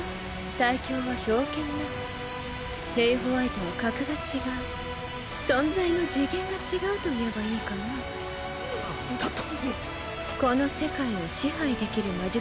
最強は冰剣だレイ＝ホワイトは格が違う存在の次元が違うと言えばいいかな何だと？